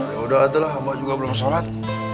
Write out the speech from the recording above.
yaudah abah juga belum shalat